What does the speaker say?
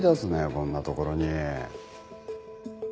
こんな所に。